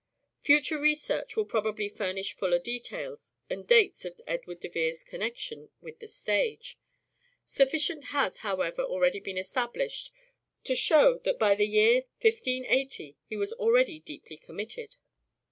Future research will probably furnish fuller details and dates of Edward de Vere's connection with the stage ; sufficient has, however, already been established to show that by the year 1580 he was already deeply committed.